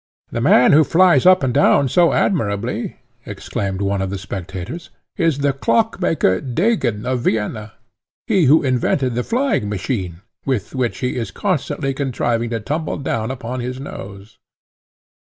"The man, who flies up and down so admirably," exclaimed one of the spectators, "is the clock maker, Degen, of Vienna he who invented the flying machine, with which he is constantly contriving to tumble down upon his nose."